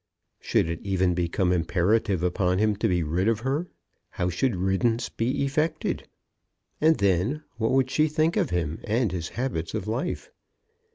Should it even become imperative upon him to be rid of her, how should riddance be effected? And then what would she think of him and his habits of life?